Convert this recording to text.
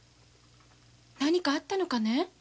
何かあったのかね？